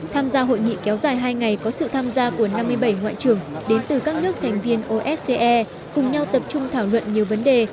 tham gia hội nghị kéo dài hai ngày có sự tham gia của năm mươi bảy ngoại trưởng đến từ các nước thành viên osce cùng nhau tập trung thảo luận nhiều vấn đề